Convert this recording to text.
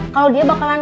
kalo dia bakalan